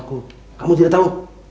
kamu tidak tahu